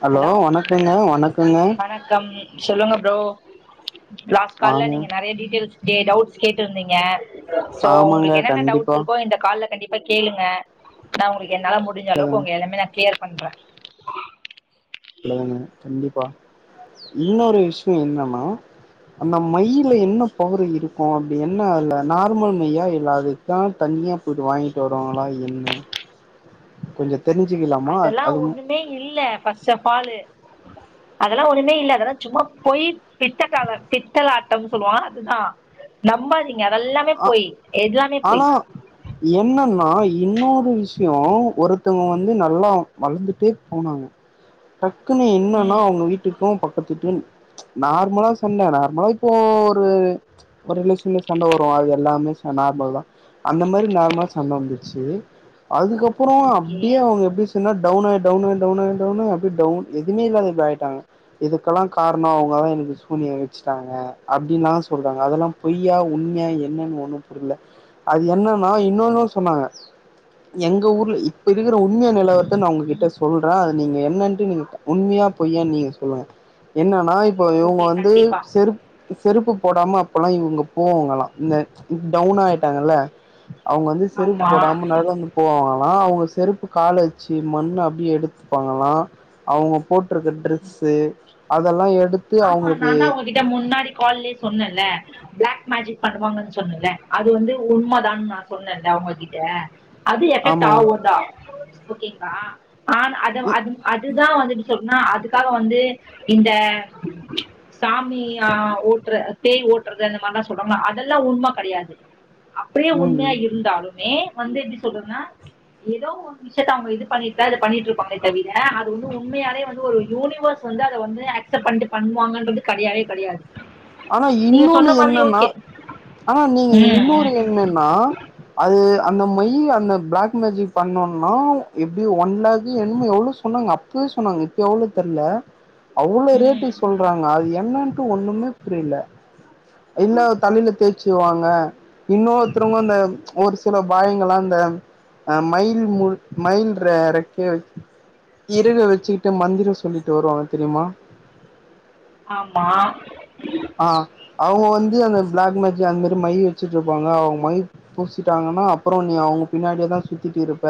Hello வணக்கங்க வணக்கங்க வணக்கம் சொல்லுங்க ப்ரோ லாஸ்ட் கால்ல வாங்க நீங்க நறையா டீடெய்ல்ஸ் கே டவுட்ஸ் கேட்டுருந்தீங்க சோ ஆமாங்க உங்களுக்கு என்னென்ன டவுட்ஸ் கண்டிப்பா இருக்கோ இந்த கால கண்டிப் இப்ப கேளுங்க நா உங்களுக் என்னால முடிஞ்ச அளவுக்கு உங்க எல்லாமே நான் கிளியர் பன்ற நல்லதுங்க கண்டிப்பா இன்னொரு விஷயம் என்னன்னா அந்த மையில என்ன பவரு இருக்கும் அப்டி என்ன இல்ல நார்மல் மையா இல்ல அதுக்கான் தனியா போயிட்டு வாங்கிட்டு வருவாங்களா என்ன கொஞ்ச அதெல்லா ஒண்ணுமே இல்ல ஃபஸ்ட் ஆப் ஆளு அதெல்லா ஒண்ணுமே இல்ல அதெல்லா சும்மா போயி பித்த கால பித்தல ஆட்டம் சொல்லுவோ அதுதா நம்பாதி இங்க அதெல்லாமே ஆ பொய் எல்லாமே பொய் ஆனா என்னன்னா இன்னொரு விஷியம் ஒருத்தவங்க வந்து நல்லா வளந்துட்டே போனாங்க டக்குனு என்னன்னா ம் அவங்க வீட்டுக்கும் பக்கத்து வீட்டு நார்மலா சொன்ன நார்மலா இப்போ ஒரு ஒரு ரிலேஷன்ல சண்ட வரு அப்புறம் அது எல்லாமே சொ நார்மல் தா அந்த மாரி நார்மலா சண்ட வந்துச்சி அதுக்கப்புறம் ஓகே அப்டியே அவங்க எப்டி சொன்னா டவுன் ஆய் டவுன் ஆய் டவுன் ஆய் டவுன் ஆய் அப்டே டவுன் எதுமே இல்லாத இப்டி ஆய்ட்டாங்க இதுகல்லாம் காரணம் அவுங்கதா எனக்கு சூனியம் வச்சிட்டாங்க அப்டின்லா சொல்றாங்க அதெல்லாம் பொய்யா உண் மியா என்னன்னு ஒண்ணும் புர்ல அது என்னன்னா இன்னொன்னும் சொன்னாங்க எங்க ஊர்ல இப்ப இருக்கற உண்மையா நிலவர்த்த நா உங்ககிட்ட சொல்றன் அது நீங்க என்னன்ட்டு நீங்க உண்மையா பொய்யா நீங்க சொ சொல்வ என்னான் னா இப்ப இவுங்க ஓகே வந்து கண்டிப்பா செருப் செருப்பு போடாம அப்போல்லா இவுங்க போவங்கலா இந்த டவுன் ஆயிட்டாங்கல்ல அவுங்க வந்து செருப்பு ஆமா போடாம நடந்து போவாங்கலா அவுங்க செருப்பு கால வச்சி மண்ண அப்டியே எடுத்துப்பாங்கலாம அவுங்க போட்டுருக்க ட்ரெஸ்ஸு அதெல்லா எடு ஆமா நா தா ஒங்ககிட்ட முன்னாடி கால்லே சொன்னேல்ல பிளாக் மேஜிக் பண்ணுவாங்கன்னு சொன்னல்ல அது வந்து உண்மதான் நா சொன்னேல்ல அவுங்ககிட்ட அது எடெக்ட் ஆமா ஆவும் தா ஓகேங்களா ஆன் அத இ- அது அது இதுதா வந்துட்டு சொல்னா அதுக்காக வந்து இந்த சாமியா ஓட்டுற பேய் ஓட்டுறது அந்த மாரிலா சொல்றாங்கள்ள அதெல்லா உண்ம கெடையாது அப்டிய உண்மையா ம் இருந்தாலுமே வந்து எப்படி சொல்றத்னா ஏதோ ஒரு விஷயத்த அவங்க இது பண்ண பண்ணட்டு இருப்பாங்களே தவிர அது வந்து உண்மையாலே வந்து ஒரு யூனிவர்ஸ் வந்து அத வந்து ஆக் சப்ட் பண்ணி பண்ணுவாங்கன்றது கடையாவே கடையாது ஆனா இன்னொன்னு என்னன்னா ஆ நீங்க ம் இன்னொரு ம் என்னன்னா அது அந்த மை அந்த பிளாக் மேஜிக் பண்ணோனா எப்படி ஒன் லேக்கு என்னமோ எவ்ளோ சொன்னாங்க அப்பவே சொன்னாங்க இப்போ எவ்ளோ தெர்ல அவ்ளோ ம் ரேட்டு சொல்றாங்க அது என்னன் ன ஒன்னுமே புரில இல்ல தலையில தேய்ச்சுருவாங்க இன்னொருத்தருவங்க அந்த ஒரு சில பாய்ங்களா அந்த அ மைல் மு மைல் இறக்க இறக வச்சுக்கிட்டு மந்திரம் சொல்லிட்டு வருவாங்க தெரியுமா ஆமா ஆ அவங்க வந்து அந்த பிளாக் மேஜிக் அந்த மாரி மை வச்சுட்டு இருப்பாங்க அவங்க மை பூசிட்டாங்கன்னா அப்புற நீ அவங்க பின்னாடியேதா சுத்திட்டு இருப்ப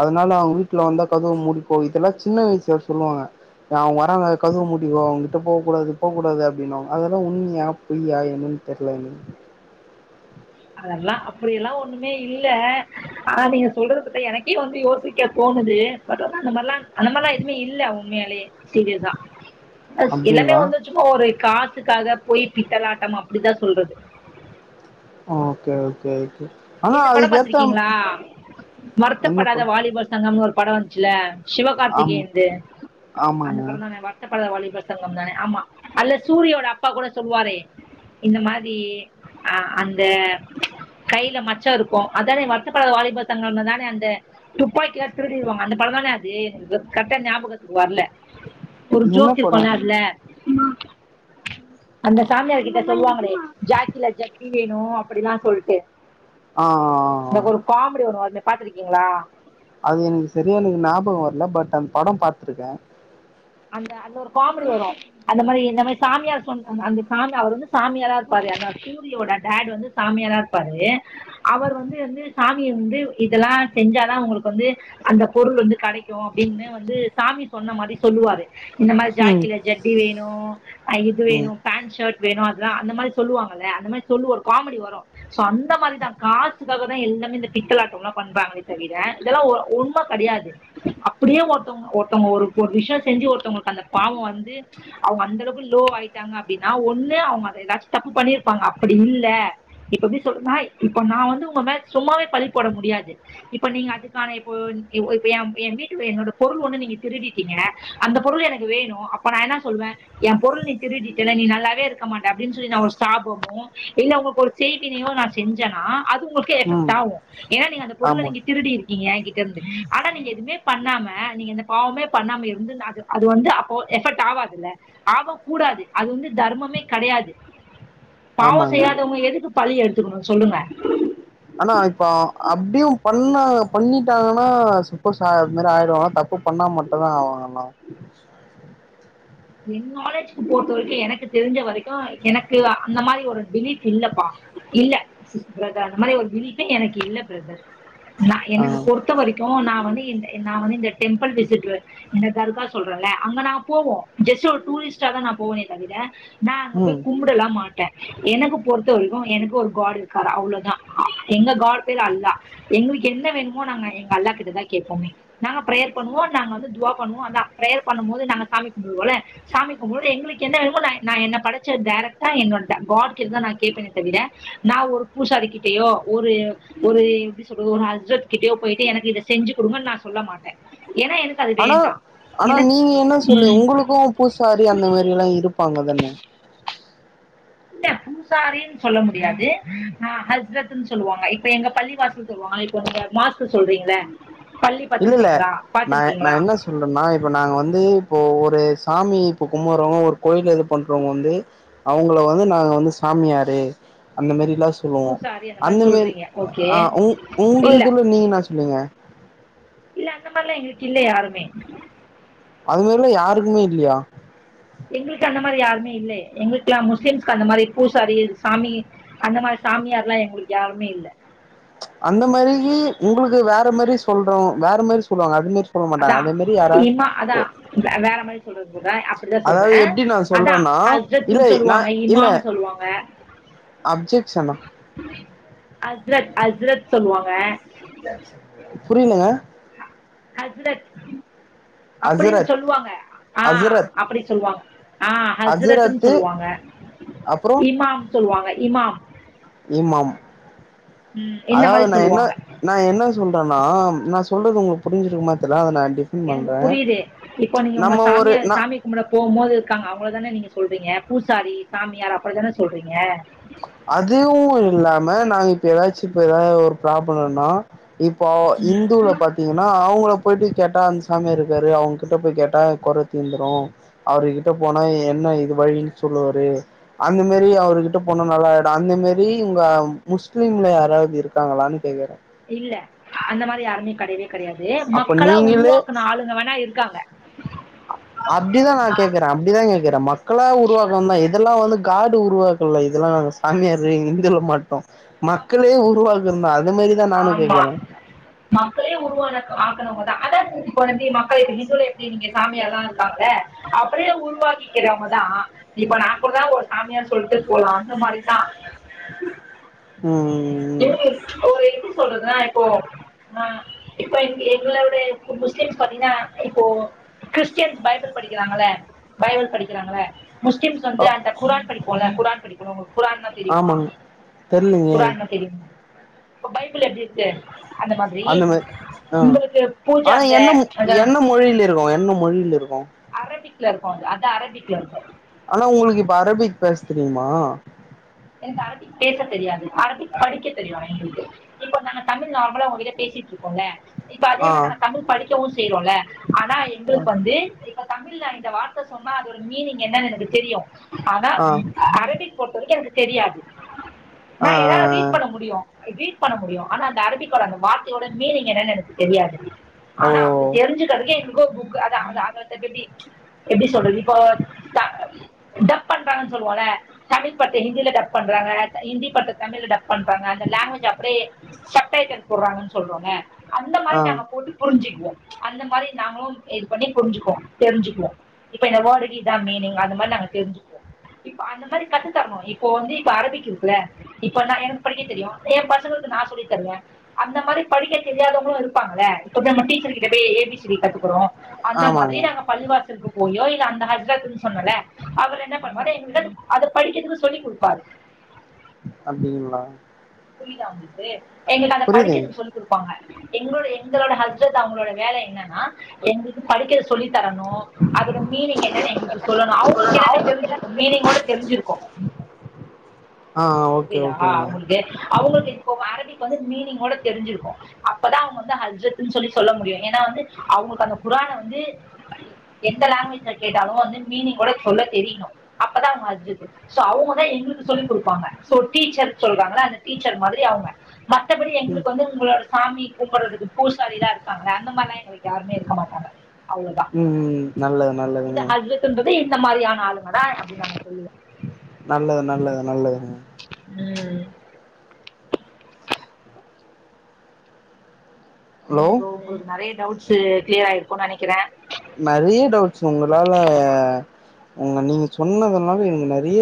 அதனால அவங்க வீட்ல வந்தா கதவு முடிக்கோ இதெல்லா சின்ன வயசுல சொல்லுவாங்க அவங்க வராங்க கதவு மூடிக்கோ அவங்க கிட்ட போ கூடாது போ கூடாது அப்படின்னுவாங்க அதெல்லா உண்ம யா பொய்யா என்னன்னு தெரில எனக்கு அதல்லா அப்படியல்லா ஒண்ணுமே இல்ல ஆனா நீங்க சொல்றது பாத்தா எனக்கே வந்து யோசிக்க தோணுது பட் அந்த மாரிலா அந்த மாரிலா எதுவுமே இல்ல உண்மையாலே சீரியஸா எல்லாமே அப்டிங்களா வந்துச்சும்ம ஒரு காச் காசுக்காக‌ பொய் பித்தலாட்டம் அப்டித்தா சொல்றது ஓகே ஓகே ஓகே ஆனா இந்த படோ அதுக்கேத்த பாத்திருக்கீங்களா என்ன வருத்தப்படாத பண் வாலிபர் சங்கம்னு ஒரு படோ வந்துச்சுல ஆமா சிவகார்த்திகேயன் து ஆமாங்க அந்தப்பட தான வருத்தப்படாத வாலிபர் பர் சங்கம் தான ஆமா அதுல சூரியோட அப்பா கூட சொல்லுவாரே இந்த மாதிரி ஆ அந்த கையில மச் ச்சோ இருக்கு அதானே வருத்தப்படாத வாலிபர் சங்கம் தானே அந்த துப்பாக்கியலா திருடிரு வாங்க அந்த பட தானே அது கரெக்டா ஞாபகத்துக்கு வரல ஒரு என்ன ஜோக் இருக்கும் படோ ல அதுல அந்த சாமியார் கிட்ட சொல்லுவாங்களே ஜாக்கில ஜட்டி வேணு அப்படிலா சொல்லிட்டு ஆ ஆ ஆ. எனக்கு ஒரு காமெடி வரு அத பாத்துருக்கீங்களா அது எனக்கு சரியா எனக்கு ஞாபகோ வரல பட் அந்த படோ பாத்திருக்கே அந்த அந்த ஒரு காமெடி வரு அந்த மாரி இந்த மாரி சாமியார் சொன்ன அந்த சாமி அவர் வந்து சாமியாரா இருப்பாரு அந்த சூரியோட டேட் வந்து சாமியாரா இருப்பாரு அவர் வந்து வந்து சாமிய வந்து இதெல்லா செஞ்சாதா உங்களுக்கு வந்து அந்த பொருள் வந்து கடைக்கும அப்படின்னு வந்து சாமி சொன்ன மாதிரி சொல்லுவாரு இந்த மாரி ம் ஜாக்கில ஜட்டி வேணு இது ம் வேணு பேண்ட் ஷர்ட் வேணு அத அந்த மாதிரி சொல்லுவாங்கள அந்த மாதிரி சொல்லு ஒரு காமெடி வரு சோ அந்த மாரிதா காசுக்காக தா எல்லாமே இந்த பித்தலாட்டோல்லா பண்றாங்களே தவிர இதெல்லா உண்ம கெடயாது அப்டியே ஒருத்தவங்க ஒருத்தவங்க ஒரு ஒரு விஷ செஞ்சு ஒருத்தவங்ளுக்கு அந்த பாவ வந்து அவுங்க அந்த அளவுக்கு லோ ஆயிட்டாங்க அப்டின்னா ஒன்னு அவுங்க ஏதாச்சு தப்பு பண்ணிருப்பாங் அப்படி இல்ல இப்ப எப்டி சொல்றதுன்னா இப்ப நா வந்து உங்க மேல சும்மாவே பழி போட முடியாது இப்ப நீங்க அதுக்கான இப்போ எ வீட்டு என்னோட பொருள் ஒன்னு நீங்க திருட்டீங்க அந்த பொருள் எனக்கு வேணு அப்ப நா என்ன சொல்லுவே எ பொருள் நீ திருடிட்டேல நீ நல்லாவே இருக்க மாட்ட அப்டினு சொல்லி நா ஒரு சாபமு இல்ல ஒங்க ஒரு செய்வினையு நா செஞ்சனா அது ஓகே ம் பாவோ ஏன்னா நீங்க அந்த பொருள ஆமா நீங்க திருடி இருக்கீங்க ஆனா நீங்க எதுவுமே பண்ணாம நீங்க இந்த பாவமே பண்ணாம அது வந்து அப்ப எஃபெக்ட் ஆவாதுல்ல ஆகக்க கூடாது அது வந்து தர்மமே கெடயாது பாவ ஆமாங்க செய்யாதவங்க எதுக்கு பழி எடுத்துக்கணு சொல்லுங்க ஆனா இப்ப அப்டியு பண்ணா பண்ணிட்டாங்கன்னா சப்போஸ் அது மாதிரி ஆயிருவனா தப்பு பண்ணா மட்டுதா ஆவாங்கன்னா எ நாலேஜ்க்கு பொறுத்த வரைக்கு எனக்கு தெரிஞ்ச வரைக்கு எனக்கு அந்த மாரி ஒரு பிலீஃப் இல்லப்பா இல்ல இல்ல பிரதர் அந்த மாதிரி ஒரு பிலீஃபே எனக்கு இல்ல பிரதர் நா ஆ எனக்கு பொறுத்த வரைக்கு நா வந்து இந்த நா வந்து இந்த டெம்பிள் விசிட் இந்த தர்கா சொல்றேன்ல அங்க நா போவோ ஜஸ்ட் ஒரு டூரிஸ்டா தா நா போவேனே தவிர நா அங்க ம் போய் கும்டலா மாட்டே எனக்கு பொறுத்த வரைக்கு எனக்கு ஒரு காட் இருக்காரு அவ்ளதா எங்க காட் பேர் அல்லா எங்களுக்கு என்ன வேணுமோ நாங்க எங்க அல்லா கிட்டதா கேப்போமே நாங்க பிரேயர் பண்ணுவோ நாங்க வந்து துவா பண்ணுவோ அதா ப்ரேயர் பண்ணும் போது நாங்க சாமி போல சாமி கும்பிடது எங்களுக்கு என்ன வேணுமோ நா நா என்ன படச்ச டைரக்டா என்னோட காட் கிட்டதா நா கேப்பேனே தவிர நா ஒரு பூசாரி கிட்டயோ ஒரு ஒரு எப்டி சொல்றது ஒரு ஹஸ்பண்ட் கிட்டயோ போயிட்டு எனக்கு இத செஞ்சு குடுங்கன்னு நா சொல்ல மாட்டே ஏன்னா எனக்கு அது ஆனா வேணடா எனக் உம் எங்களளுக்குலா பூசாரி அந்த மாரிலா எல்லா இரு இருப்பாங்க தான இல்ல பூசாரினு சொல்ல முடியாது ஆ ஹச்ரத்ன்னு சொல்லுவாங்க இப்ப எங்க பள்ளி வாசல் சொல்லுவாங்க இப்பங்க மாசு சொல்றீங்ள இல்லல்ல நா நா என்ன சொல்றேனா இப்ப நாங்க வந்து இப்போ ஒரு சாமி இப்ப கும்பறவங்க ஒரு கோயில இது பண்றவங்க வந்து அவுங்கள வந்து நாங்க வந்து சாமியாரு அந்த மாரி எல்லா சொல்லுவோ பூசாரி அந்த மாதிரி மாரி சொல்றீங்க ஓகே ஆ உ உங்க இல்ல இதுல நீங்க என்ன சொல்லுங்க இல்ல அந்த மாதிரல்லா எங்களுக்கு இல்ல யாருமே அது மாரிலா யாருக்குமே இல்லையா எங்களுக்கு அந்த மாரி யாருமே இல்ல எங்களுக்குக்லா முஸ்லீம்க்கு அந்த மாரி பூசாரி சாமி அந்த மாரி சாமியார் எல்லா எங்களுக்கு யாருமே இல்ல அந்த மாதிரி உங்களுக்கு வேற மாரி சொல்றோ வேற மாரி சொல்லுவாங்க அது மாதிரி அதா இம்மா அதா வேற மாதிரி சொல்றது போ அப்டிதா சொல்றே அதாவது எப்டி நா அதா சொல்றேன்னா இல்ல ஹச்ரத்னு நா சொல்லுவாங்க இல்ல இமாம் சொல்லுவாங்க அப்ஜெக்ஷனா ஹச்ரத் ஹச்ரத் சொல்லுவாங்க புரியலங்க இல்ல அப்படின்னு அசரத் சொல்லுவாங்க ஆ அசரத் அப்பிடி சொல்லுவாங்க ஆ அப்பிடி சொல்லுவாங்க ஆ ஹஜ்ரத்ன்னு அசரத்து சொல்லுவாங்க அப்புறோ இமாம் சொல்லுவாங்க இமாம் இமாம் ம், இந்த அதாது மாதிரி நா என்ன சொல்லுவாங்க நா என்ன ச்சி உண்டான்னாம் நா சொல்றது உங்களுக்கு புரிஞ்சிருக்குமா தெரியல அத நா டிஃபன் எனக்கு பண்றே புரியுது இப்போ நீங்க உங்க நம்ம ஒரு சாமியா நா சாமி கும்பிட போம் போது இருக்காங்க அவங்களதான நீங்க சொல்றீங்க பூசாரி சாமியார் அப்புறதான சொல்றீங்க அதுவு இல்லாம நாங்க இப்ப ஏதாச்சி இப்ப எதாது ஒரு ப்ராப்ளோனா இப்போ ம் இந்துல பாத்தீங்கன்னா அவுங்கள போயிட்டு கேட்டா அந்த சாமியார் இருக்காரு அவங்ககிட்ட போயி கேட்டா குறை தீந்துரு அவர்கிட்ட போனா என்ன இது வழின்னு சொல்லுவாரு அந்த மேரி அவர்கிட் ட்டு போன நல்லாயிடு அந்த மேரி உங்க முஸ்லீம்ல யாராவது இருக்காங்களான் கேக்குறே இல்ல அந்த மாரி யாருமே கிடையவே அப்ப நீங்களே வேணா இருக்காங்க அப்பிடிதா நா கேக்கறே அப்பிடிதா கேக்கறே மக்களா உருவாக்ன்தா இதெல்லா வந்து காடு உருவாக்கல இதெல்லா நாங்க சாமியார் இந்துல மாட்டு மக்களே உருவாக்கன்தா ஆமா மக்களே உருவான கா க்கனவங்கதா அதா [unintelligible] போனதி மக்கள்ளுக்கு ஹிந்துல எப்பிடி நீங்க சாமியார்ல்லா நாங்க அப்பிடியே உருவாக்கிக்கிறவங்கதா இப்ப நா கூடதா ஒரு சாமியாரு சொல்ட்டு போலா அந்த மாரிதா ம் ஏ ஒரு எப்பிடி சொல்றதுனா போ நா இப்ப எங் எங்களோட முஸ்லீம்ஸ் பாத்தீங்கன்னா இப்போ கிறிஸ்டன்ஸ் பைபிள் படிக்கிறாங்கள பைபிள் படிக்கிறாங்கள முஸ்லிம்ஸ் வந்து அந்த குரான் படிப்போ இல்ல குரான் படிக்கனு உங்களுக்கு குரான்னா தெரியுமா ஆமாங்க தெர்லீங்க குரான் இப்ப பைபிள் எப்பிடி இருக்கு அந்த மா ஆ உங்களுக்கு பூஜ ஆனா அந்த என்ன மொ அந்த என்ன மொழியில இருக்கு என்ன மொழியில இருக்கு அரபிக் இருக்கு அது அரபிக்ல இருக்கு ஆனா உங்களுக்கு இப்ப அரபிக் பேச தெரியுமா எனக்கு அரபிக் பேச தெரியாது அரபிக் படிக்க தெரியு எங்களுக்கு இப்ப நாங்க தமிழ் நார்மலா உங்கிட்ட பேசிட்டு இருக்கோல்ல இப்ப அதே ஆ மாரி நாங்க தமிழ் படிக்கவு செய்யறோல்ல ஆனா ஆ எங்களுக்கு வந்து தமிழ் நா இந்த வார்த்த சொன்னா அதோட மீனிங் என்னென் எனக்கு தெரியு ஆனா ஆ அரபிக் பொறுத்த வரைக்கு எனக் தெரியாது ஆ, நா ஆ. என்னால ரீட் பண்ண முடியு ரீட் பண்ண முடியு ஆனா அந்த அரபிக்கோட அந்த வார்த்தையோட மீனிங் என்னென்னு எனக்கு தெரியாது ஓ ஆனா அப்படி தெரிஞ்சுகறக்கே எங்களுக்கு ஒ புக் எப்படி சொல்றது இப்போ டப் பண்றாங்க சொல்லுவோல தமிழ் படத் ஹிந்தில டப் பண்றாங்க ஹிந்தி படத்த தமிழ்ல டப் பண்றாங்க அந்த லங்குவேஜ் அப்படியே ஷப்டைட்டில் போட்றாங்க சொல்றோல அந்த ஆ மாரி நாங்க போட்டு புரிஞ்சுக்குவோ அந்த மாரி நாங்களு இது பண்ணி புரிஞ்சுக்குவோ தெரிஞ்சுக்குவோ இப்ப இந்த வேர்டு இதா மீனிங்கா அந்த மாரி நாங்க தெரிஞ்சுக்குவோ இப்ப அந்த மாதிரி கன்னு தரணு இப்போ வந்து இப்ப அரபிக் இருக்கு ல இப்ப நா எனக்கு படிக்க தெரியு எ பசங்களுக்கு நா சொல்லி தருவே அந்த மாரி படிக்க தெரியாதவங்களு இருப்பாங்கள இப்ப டீச்சர் கிட்ட போய் ஏ பி சீ டி கத்துக்கிறோ அந்த மாதிரி ஆமாங்க நாங்க பள்ளிவாசல்கு போயோ இல்ல அந்த ஹஜ்ரத்ன்னு சொன்னல அவரு என்ன பண்ணுவாரு படிக்கிறதுக்கு சொல்லி் குடுப்பாரு அப்டிங்களா புரிதா உங்களுக்கு எங்களுக்கு அத புரியுதுங்க படிக்கிறதுக்கு சொல்லி குடுப்பாங்க எங்களோட எங்களோட ஹஸ்ரத் அவங்களோட வேல என்னன்னா எங்களுக்கு படிக்கிற சொல்லித்தரணு அதோட மீனிங் என்னனு எங்களுக்கு சொல்லணு அவங்களுக்கு எல்லாமே தெரிஞ்சிருக்கு மீனிங்கோட தெரிஞ்சிருக்கு ஆ ஓகே புரிய்தா ஓகேங்க அவங்களுக்கு அவங்களுக்கு இப்போ வர இப்ப வந்து மீனிங்கோட தெரிஞ்சிருக்கு அப்பதா அவங்க வந்து ஹஜரத்ன்னு சொல்லி சொல்ல முடியு ஏன்னா வந்து அவங்களுக்கு அந்த குரான வந்து எந்த லேங்குவேஜ்ல கேட்டாலு வந்து மீனிங்கோட சொல்ல தெரியணு அப்பதா அவங்க அஜ்ரத்து சோ அவங்கதா எங்களுக்கு சொல்லி குடுப்பாங்க சோ டீச்சர் சொல்றாங்கள அந்த டீச்சர் மாதிரி அவங்க மத்தபடி ம் எங்களுக்கு வந்து உங்களோட சாமி கும்புரது பூசாரிதா இருப்பாங்கள்ள அந்த மாதிரில்லா எங்க வீட்ல யாருமே இருக்க மாட்டாங்க அவ்ளோதா ம் நல்லது இது நல்லதுங்க ஹஜ்ரத்த்ன்றது இந்த மாரியான ஆளுங்கதா அப்பினு நா சொல்ல நல்லது நல்லது நல்லது உம் ஹலோ சோ உங்களுக்கு நறைய டவுட் ச கிளியர் ஆயிருக்கும்னு நனைக்கிறே நறைய டவுட்ஸ் உங்களால உங்க நீங்க சொன்னதுனால எங்க நறைய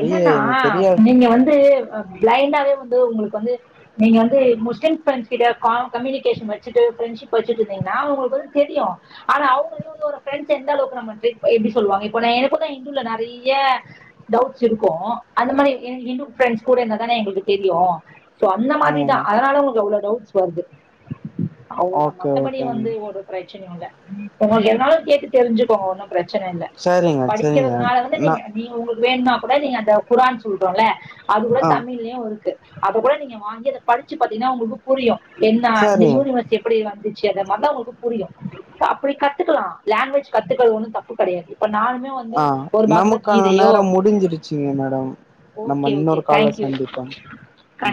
என்னன்னா நீங்க வந்து ஆ பிளைண்டாவே வந்து உங்களுக்கு வந்து நீங்க வந்து முஸ்லீம் ஃப்ரெண்ட்ஸ் கிட்ட கா கம்யூனிகேஷன் வச்சுட்டு ஃப்ரெண்ட்ஷிப் வச்சுட்டு இருந்தீங்கன்னா உங்களுக்கு வந்து தெரியு ஆனா அவங்களே வந்து ஒரு ஃரெண்ட்ஸ் எந்த அளவுக்கு நம் பண்ண எப்படி சொல்லுவாங்க இப்போ நா எனக்குதா ஹிந்துல நிறைய டவுட்ஸ் இருக்கு அந்த மாரி எனகு இந்து ஃப்ரெண்ட்ஸ் கூட இருந்த தானே எங்களுக்கு தெரியு சோ அந்த மாதிரிதா ஆமாங்க அதனால உங்க அவ்ளோ டவுட்ஸ் வருது அவுதா ஓகே மத்தபடி ஓகேங்க வந்து ஒரு பிரச்சனையு இல உங்களுக்கு எதனாலு கேட்டு தெரிஞ்சுக்கோங்க ஒன்னு பிரச்சன இல்ல சரிங்க சரிங்க படிக்கிறதுனால வந்து நா நீங்க நீ உங்களுக்கு ப்ப கூட நீங்க அந்த குரான் சொல்றோல்ல அது கூட ஆ தமிழ்லயு இருக்கு அது கூட நீங்க வாங்கி அத படிச்சி பாத்தீங்கன்னா உங்களுக்கு புரியு என்னா இந்த சரிங்க யூனிவர்ஸ் எப்பிடி வந்து ச்ச அத மாரிதா உங்களுக்கு புரியு அப்பிடி கத்துக்கலா லங்குவேஜ் கத்துக்றது ஒன்னு தப்பு கெடையாது இப்ப நானுமே வந்து ஒரு பகவத்கீதையோ முடிஞ்சிருச்சிங்க மேடம் நம்ம ஓகே ஓகே இன்னொரு கால்ல தேங்க்யூ சந்திப்போ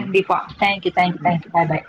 ம் தேங்க்யூ தேங்க்யூ ம் தேங்க்யூ பாய் பாய்